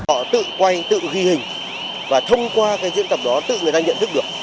họ tự quay tự ghi hình và thông qua cái diễn tập đó tự người ta nhận thức được